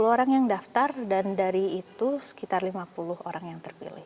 satu ratus lima puluh orang yang daftar dan dari itu sekitar lima puluh orang yang terpilih